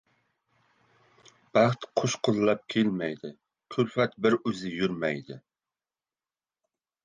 • Baxt qo‘shqo‘llab kelmaydi, kulfat bir o‘zi yurmaydi.